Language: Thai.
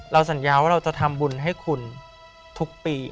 สัญญาว่าเราจะทำบุญให้คุณทุกปี